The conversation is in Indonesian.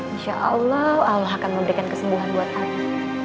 insyaallah allah akan memberikan kesembuhan buat abie